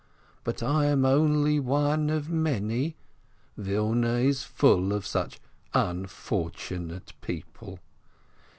But I am only one of many, Wilna is full of such unfortunate people.